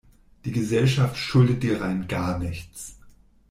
Die Gesellschaft schuldet dir rein gar nichts!